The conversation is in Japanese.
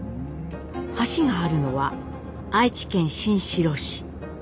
橋があるのは愛知県新城市。